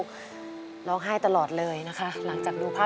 เปลี่ยนเพลงเพลงเก่งของคุณและข้ามผิดได้๑คำ